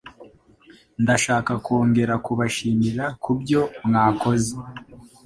Ndashaka kongera kubashimira ku byomwakoze.